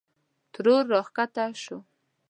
ترور راکښته شوه.